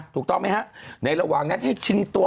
ถูกต้องไหมฮะในระหว่างนั้นให้ชิงตัว